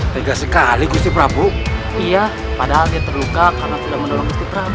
tegas sekali gusti prabu iya padahal dia terluka karena sudah menolong istri prabu